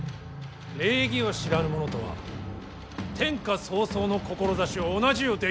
礼儀を知らぬ者とは天下草創の志を同じゅうできん。